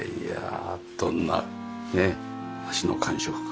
どんなねっ足の感触か。